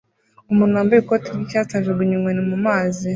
umuntu wambaye ikoti ryicyatsi ajugunya inkoni mumazi